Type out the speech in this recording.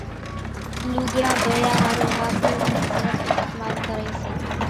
لُوڳڙان ڌويا ۿارُو ۿاٻُو انين صرڦ اِستمال ڪريَ سي۔